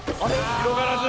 広がらず！